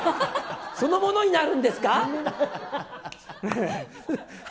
そのものになるんですか？